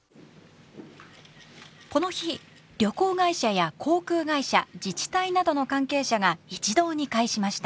この日旅行会社や航空会社自治体などの関係者が一堂に会しました。